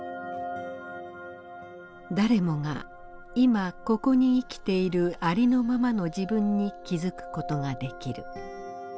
「誰もがいま・ここに生きているありのままの自分に気づく事ができる」。